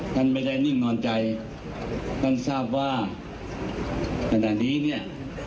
ท่านไม่ได้นิ่งนอนใจท่านทราบว่าขณะนี้เนี่ย